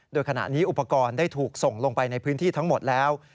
โดยขณะนี้อุปกรณ์ได้ถูกส่งลงไปในพื้นที่ทั้งหมดแล้ว